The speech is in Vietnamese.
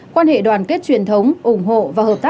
quan hệ đoàn kết truyền thống ủng hộ và hợp tác